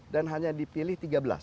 dan hanya dipilih tiga belas